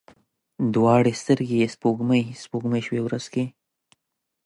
دواړې سترګي یې سپوږمۍ، سپوږمۍ شوې ورځ کې